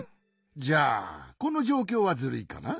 じゃあこのじょうきょうはズルいかな？